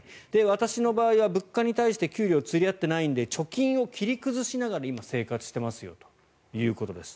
私の場合は物価に対して給料が釣り合っていないので貯金を切り崩しながら今、生活しているということです。